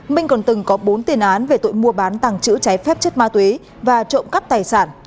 minh còn từng có bốn tiền án về tội mua bán tàng trữ trái phép chất ma túy và trộm cắp tài sản